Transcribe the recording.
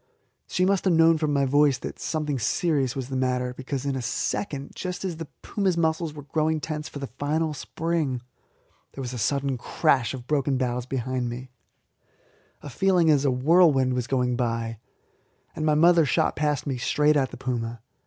She must have known from my voice that something serious was the matter, because in a second, just as the puma's muscles were growing tense for the final spring, there was a sudden crash of broken boughs behind me, a feeling as if a whirlwind was going by, and my mother shot past me straight at the puma.